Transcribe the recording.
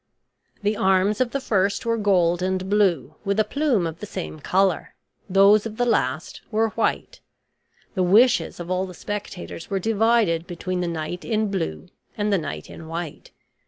The arms of the first were gold and blue, with a plume of the same color; those of the last were white. The wishes of all the spectators were divided between the knight in blue and the knight in white.